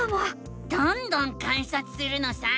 どんどん観察するのさ！